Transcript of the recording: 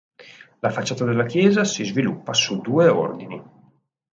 La facciata della chiesa si sviluppa su due ordini.